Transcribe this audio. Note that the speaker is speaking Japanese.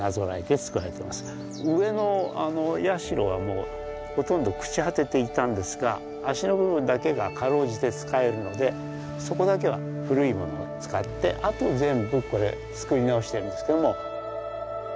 上の社はもうほとんど朽ち果てていたんですが脚の部分だけがかろうじて使えるのでそこだけは古いものを使ってあと全部これ造り直してるんですけども。